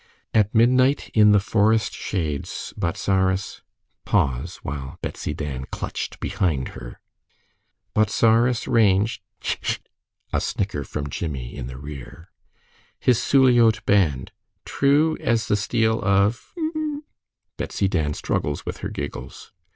"At midnight in the forest shades, Bozzaris " Pause, while Betsy Dan clutched behind her. " Bozzaris ranged " ("Tchik! tchik!") a snicker from Jimmie in the rear. " his Suliote band, True as the steel of " ("im im,") Betsy Dan struggles with her giggles.